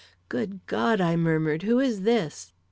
"Good God!" I murmured, "who is this?"